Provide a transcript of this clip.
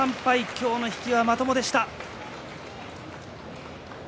今日の引きはまともでした。